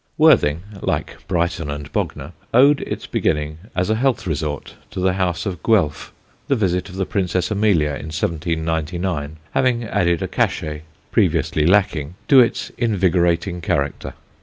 Worthing (like Brighton and Bognor) owed its beginning as a health resort to the house of Guelph, the visit of the Princess Amelia in 1799 having added a cachet, previously lacking, to its invigorating character.